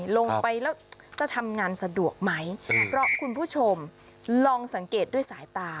ลงไปแล้วจะทำงานสะดวกไหมเพราะคุณผู้ชมลองสังเกตด้วยสายตา